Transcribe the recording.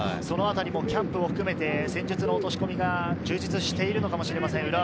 キャンプも含めて戦術の落とし込みが充実しているのかもしれません。